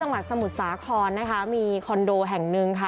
ประหลาดสมุทรสาธารณะนี้มีคอนโดแห่งนึง